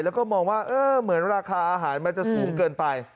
แล้วก็มองว่าเหมือนราคาอาหารมันจะสูงเกินไป